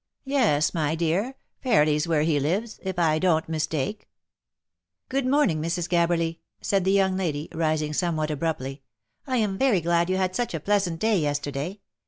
" Yes, my dear, Fairly's where he lives, if I don't mistake." " Good morning, Mrs. Gabberly," said the young lady, rising some what abruptly ;" I am very glad you had such a pleasant day yesterday.